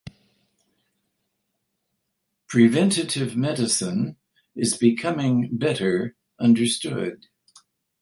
Preventative medicine is becoming better understood.